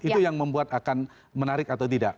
itu yang membuat akan menarik atau tidak